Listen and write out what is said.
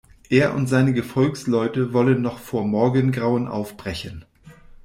Er und seine Gefolgsleute wollen noch vor Morgengrauen aufbrechen.